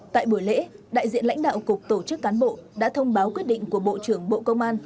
tại buổi lễ đại diện lãnh đạo cục tổ chức cán bộ đã thông báo quyết định của bộ trưởng bộ công an